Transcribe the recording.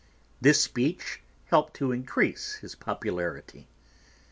This speech helped to increase his popularity.